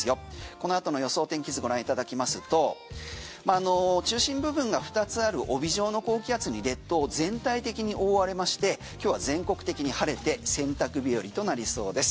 このあとの予想天気図ご覧いただきますと中心部分が二つある帯状の高気圧に全体的に覆われまして今日は全国的に晴れて洗濯日和となりそうです。